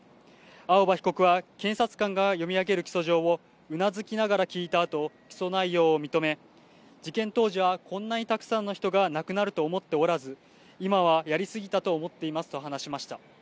青葉被告は検察官が読み上げる起訴状をうなずきながら聞いたあと、起訴内容を認め、事件当時は、こんなにたくさんの人が亡くなると思っておらず、今はやり過ぎたと思っていますと話しました。